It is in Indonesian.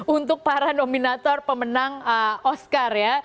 untuk para nominator pemenang oscar ya